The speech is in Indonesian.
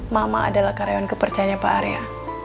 mama adalah karyawan kepercayaan pak arya